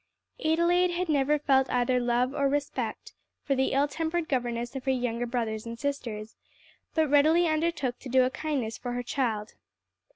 Adelaide had never felt either love or respect for the ill tempered governess of her younger brothers and sisters, but readily undertook to do a kindness for her child.